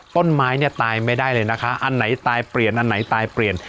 ต้นไม้เนี่ยตายไม่ได้เลยนะคะอันไหนตายเปลี่ยนอันไหนตายเปลี่ยน